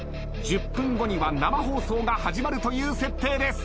１０分後には生放送が始まるという設定です。